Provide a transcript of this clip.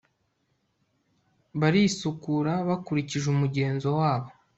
barisukura bakurikije umugenzo wabo